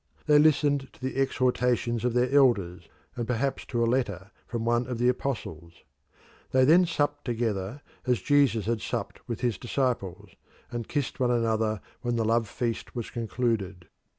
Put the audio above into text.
They listened to the exhortations of their elders, and perhaps to a letter from one of the apostles. They then supped together as Jesus had supped with his disciples, and kissed one another when the love feast was concluded.